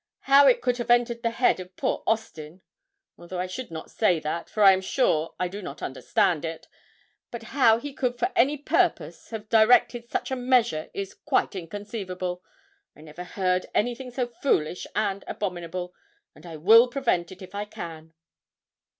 How it could have entered the head of poor Austin although I should not say that, for I am sure I do understand it, but how he could for any purpose have directed such a measure is quite inconceivable. I never heard of anything so foolish and abominable, and I will prevent it if I can.'